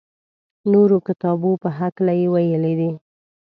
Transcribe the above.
نورو کتابو په هکله یې ویلي دي.